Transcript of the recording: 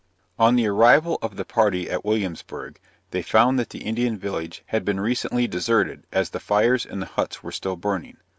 On the arrival of the party at Williamsburg, they found that the Indian village had been recently deserted, as the fires in the huts were still burning.